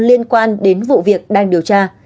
liên quan đến vụ việc đang điều tra